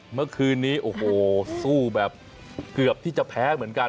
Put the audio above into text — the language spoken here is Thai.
เมื่อคืนนี้โอ้โหสู้แบบเกือบที่จะแพ้เหมือนกัน